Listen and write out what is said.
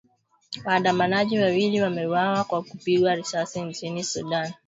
Waandamanaji wawili wameuawa kwa kupigwa risasi nchini Sudan